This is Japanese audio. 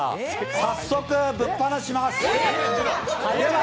早速、ぶっ放します。